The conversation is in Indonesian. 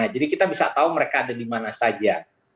jadi kita bisa tahu mereka ada dimana saja